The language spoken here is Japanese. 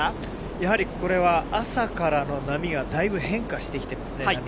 やはりこれは朝からの波がだいぶ変化してきてますね、波。